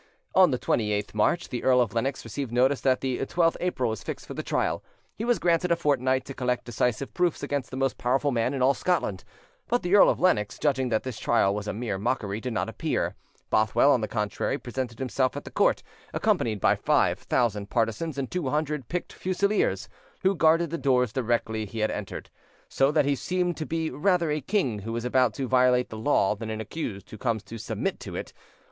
On the 28th March, the Earl of Lennox received notice that the 12th April was fixed for the trial: he was granted a fortnight to collect decisive proofs against the most powerful man in all Scotland; but the Earl of Lennox, judging that this trial was a mere mockery, did not appear. Bothwell, on the contrary, presented himself at the court, accompanied by five thousand partisans and two hundred picked fusiliers, who guarded the doors directly he had entered; so that he seemed to be rather a king who is about to violate the law than an accused who comes to submit to it.